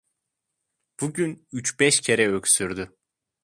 Bugün üç beş kere öksürdü.